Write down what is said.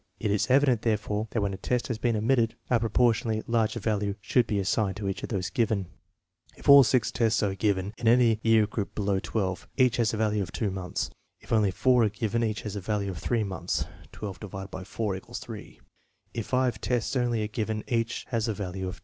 It is evident, therefore, that when a test has been omitted, a proportionately larger value should be assigned to each of those given. If all six tests are given in any year group below XII, each has a value of months. If only four are given, each has a value of 3 months (1 5 4 = 3). If five tests only INSTRUCTIONS FOR USING 139 are given, each has a value of